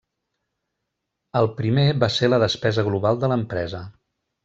El primer va ser la despesa global de l'empresa.